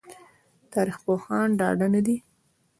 تاريخ پوهان ډاډه نه دي